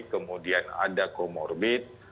kemudian ada comorbid